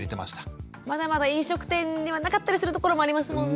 まだまだ飲食店にはなかったりする所もありますもんね。